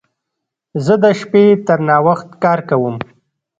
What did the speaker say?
زه د شپې تر ناوخت کار کوم.